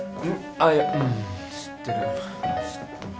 あっいやうん知ってる。